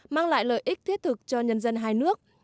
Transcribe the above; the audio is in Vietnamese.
mang lại lợi ích thiết thực cho nhân dân hai nước